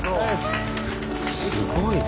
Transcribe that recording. すごいな。